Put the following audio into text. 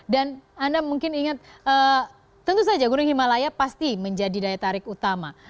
dan anda mungkin ingat tentu saja gunung himalaya pasti menjadi daya tarik utama